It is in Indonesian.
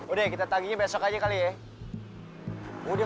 udah kita taginya besok aja kali ya